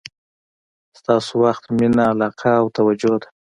ستاسو وخت، مینه، علاقه او توجه ده.